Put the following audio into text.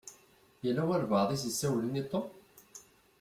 Yella walebɛaḍ i s-isawlen i Tom.